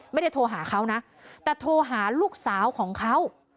ไม่ได้โทรหาเขานะแต่โทรหาลูกสาวของเขา